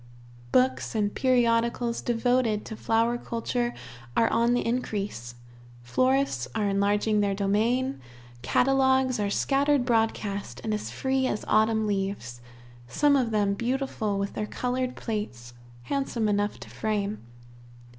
Books and periodicals devoted to flower culture are on the increase; florists are enlarging their domain; catalogues are scattered broadcast, and as free as autumn leaves, some of them beautiful with their colored plates, handsome enough to frame.